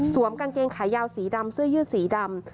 กางเกงขายาวสีดำเสื้อยืดสีดำ